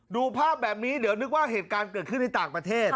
ดูภาพแบบนี้เดี๋ยวนึกว่าเหตุการณ์เกิดขึ้นในต่างประเทศ